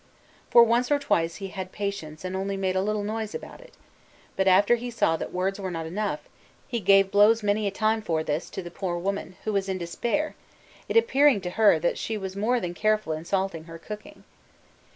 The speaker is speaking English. For once or twice he had patience and only made a little noise about it; but after he saw that words were not enough, he gave blows many a time for this to the poor woman, who was in despair, it appearing to her that she was more than careful in salting her cooking.